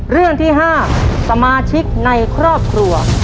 เรื่องที่๕สมาชิกในครอบครัว